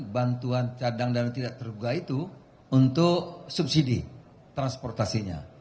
bantuan cadang dan tidak terbuka itu untuk subsidi transportasinya